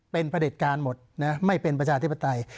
เป็นประเด็จการหมดนะไม่เป็นประชาธิปไตย